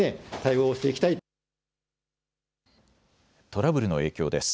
トラブルの影響です。